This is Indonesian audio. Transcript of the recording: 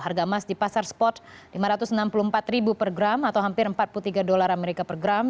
harga emas di pasar spot rp lima ratus enam puluh empat per gram atau hampir empat puluh tiga dolar amerika per gram